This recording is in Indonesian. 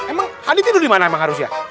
emang hadi tidur dimana emang harusnya